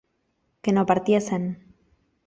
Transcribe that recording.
que no partiesen